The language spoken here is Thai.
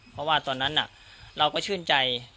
เพราะว่าตอนนั้นเราก็ชื่นใจ